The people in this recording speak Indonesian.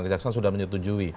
kejaksaan sudah menyetujui